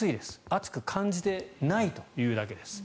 暑く感じていないというだけです。